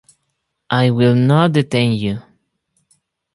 I will not detain you.